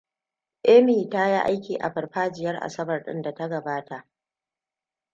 Amy ta yi aiki a farfajiyar Asabar ɗin da ta gabata.